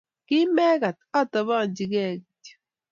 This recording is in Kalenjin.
kimekat atobenchi gei kityo